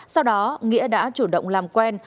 sau đó nghĩa đã chủ động làm quen